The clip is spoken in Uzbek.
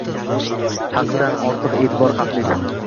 Haddan ortiq e’tibor ham xavfli.